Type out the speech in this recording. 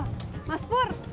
wah mas pur